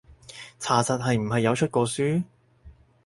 查實係唔係有出過書？